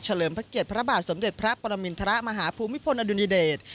เลิมพระเกียรติพระบาทสมเด็จพระปรมินทรมาฮภูมิพลอดุญเดช